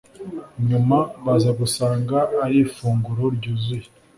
nyuma baza gusanga ari ifunguro ryuzuye